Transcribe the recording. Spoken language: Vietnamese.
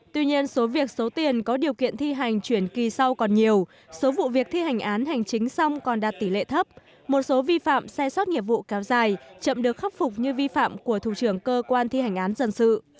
tuy nhiên số việc số tiền có điều kiện thi hành chuyển kỳ sau còn nhiều số vụ việc thi hành án hành chính xong còn đạt tỷ lệ thấp một số vi phạm sai sót nghiệp vụ kéo dài chậm được khắc phục như vi phạm của thủ trưởng cơ quan thi hành án dân sự